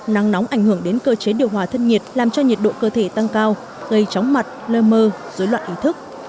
nắng nóng ảnh hưởng đến cơ chế điều hòa thân nhiệt làm cho nhiệt độ cơ thể tăng cao gây chóng mặt lơ mơ dối loạn ý thức